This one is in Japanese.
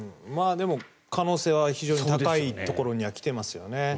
でも、可能性は非常に高いところには来ていますよね。